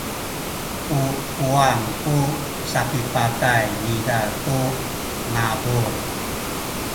u kuwang ku sapipatay niza tu ngabul.